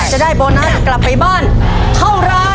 จะได้โบนัสกลับไปบ้านเท่าไร